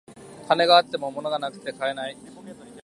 金があっても物がなくて買えない